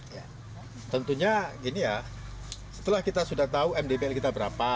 ya tentunya gini ya setelah kita sudah tahu mdpl kita berapa